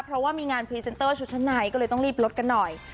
เพราะว่ามีงานชุดชั้นไหนก็เลยต้องรีบลดกันหน่อย